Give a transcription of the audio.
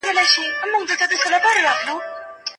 ده د زورورو بېځايه غوښتنې نه منلې.